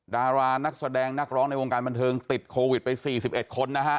ดารานักแสดงนักร้องในวงการบันเทิงติดโควิดไป๔๑คนนะฮะ